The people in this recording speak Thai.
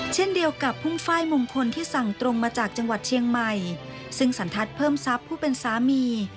เช่นเดียวกับพุ่งไฟล์มงคลที่สั่งตรงมาจากจังหวัดเชียงใหม่ซึ่งสันทัศน์เพิ่มทรัพย์ผู้เป็นสามี